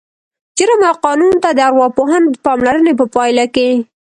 جرم او قانون ته د ارواپوهانو د پاملرنې په پایله کې